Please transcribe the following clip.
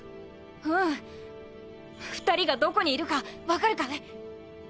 うん２人がどこにいるかわかるかい？